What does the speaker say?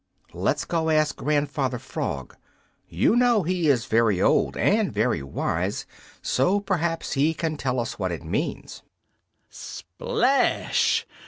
Let's go ask Grandfather Frog. You know he is very old and very wise, so perhaps he can tell us what it means." Splash!